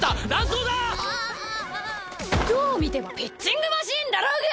どう見てもピッチングマシンだろうが！